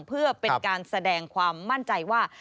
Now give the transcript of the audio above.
เพื่อเป็นการแสดงความมั่นใจว่า